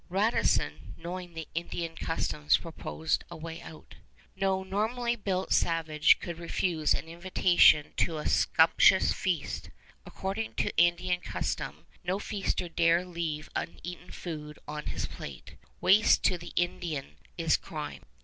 Radisson, knowing the Indian customs, proposed a way out. No normally built savage could refuse an invitation to a sumptuous feast. According to Indian custom, no feaster dare leave uneaten food on his plate. Waste to the Indian is crime.